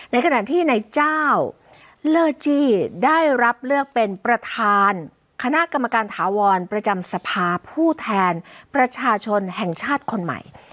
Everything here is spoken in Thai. ในขณะที่ในเจ้าเลอร์จี้ได้รับเลือกเป็นประธานคณะกรรมการถาวรประจำสภาผู้แทนประชาชนแห่งชาติคนใหม่